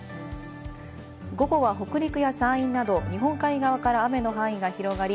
午後は北陸や山陰など、日本海側から雨の範囲が広がり